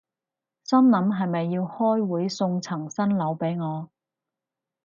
心諗係咪要開會送層新樓畀我